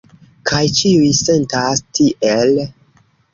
Kaj ĉiuj sentas tiel.